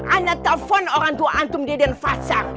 anak telfon orang tua antum dia dan fasar